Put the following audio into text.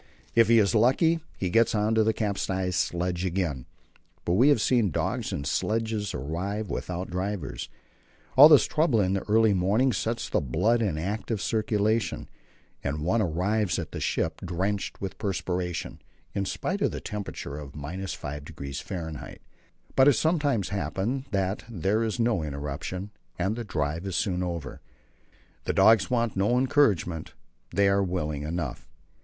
If he is lucky he gets on to the capsized sledge again, but we have seen dogs and sledges arrive without drivers. All this trouble in the early morning sets the blood in active circulation, and one arrives at the ship drenched with perspiration, in spite of a temperature of 5°F. But it sometimes happens that there is no interruption, and then the drive is soon over. The dogs want no encouragement; they are willing enough.